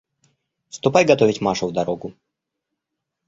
Ступай готовить Машу в дорогу.